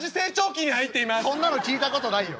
「そんなの聞いたことないよ。